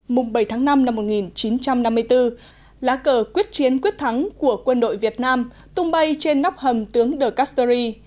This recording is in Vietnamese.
mùng bảy tháng năm năm một nghìn chín trăm năm mươi bốn lá cờ quyết chiến quyết thắng của quân đội việt nam tung bay trên nắp hầm tướng de castory